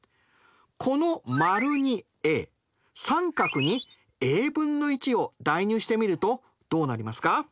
この○にａ△にａ分の１を代入してみるとどうなりますか？